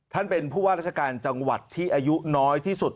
เป็นผู้ว่าราชการจังหวัดที่อายุน้อยที่สุด